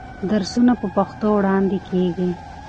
درسونه په پښتو وړاندې کېږي.